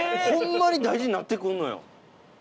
ホンマに大事になって来んのよ。